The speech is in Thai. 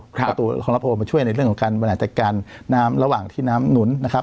ประตูของลาโพลมาช่วยในเรื่องของการบริหารจัดการน้ำระหว่างที่น้ำหนุนนะครับ